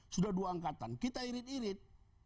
sudah dua angkatan kita irit irit